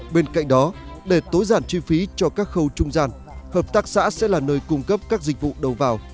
bên cạnh đó để tối giản chi phí cho các khâu trung gian hợp tác xã sẽ là nơi cung cấp các dịch vụ đầu vào